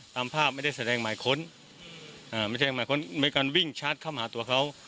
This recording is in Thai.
ตามภาพไม่ได้แสดงหมายค้นไม่ใช่หมายค้นในการวิ่งชาร์จเข้าหาตัวเขา